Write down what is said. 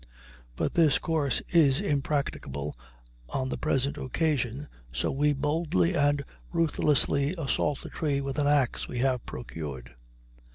But this course is impracticable on the present occasion, so we boldly and ruthlessly assault the tree with an ax we have procured.